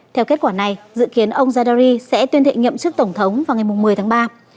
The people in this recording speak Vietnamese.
theo kết quả này dự kiến ông zardari sẽ tuyên thệ nhậm chức tổng thống vào ngày một mươi tháng ba